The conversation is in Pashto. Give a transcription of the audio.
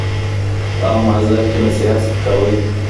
په عام محضر کې نصیحت سپکاوی دی.